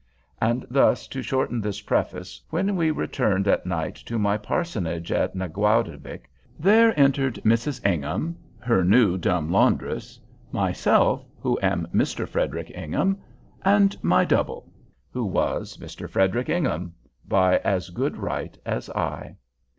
And thus, to shorten this preface, when we returned at night to my parsonage at Naguadavick, there entered Mrs. Ingham, her new dumb laundress, myself, who am Mr. Frederic Ingham, and my double, who was Mr. Frederic Ingham by as good right as I.